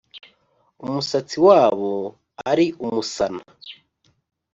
umusatsi wabo ari umusana